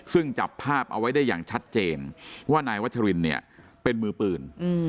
ซึ่งจับภาพเอาไว้ได้อย่างชัดเจนว่านายวัชรินเนี่ยเป็นมือปืน